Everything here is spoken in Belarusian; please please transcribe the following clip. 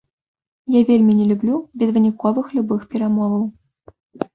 Я вельмі не люблю безвыніковых любых перамоваў.